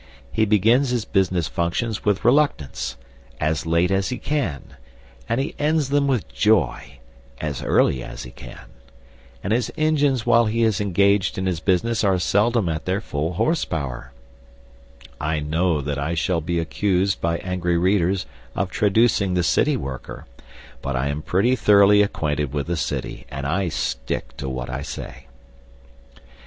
He begins his business functions with reluctance, as late as he can, and he ends them with joy, as early as he can. And his engines while he is engaged in his business are seldom at their full "h.p." (I know that I shall be accused by angry readers of traducing the city worker; but I am pretty thoroughly acquainted with the City, and I stick to what I say.)